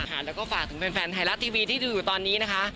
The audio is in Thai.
แล้วก็ฝากถึงแฟนไทยรัฐทีวีที่ดูอยู่ตอนนี้นะคะ